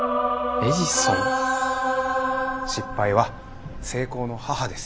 「失敗は成功の母」です。